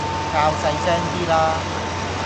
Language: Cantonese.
較細聲啲啦